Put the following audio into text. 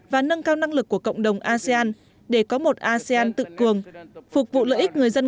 và nâng cao năng lực của cộng đồng asean để có một asean tự cường phục vụ lợi ích người dân